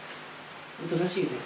おとなしいね。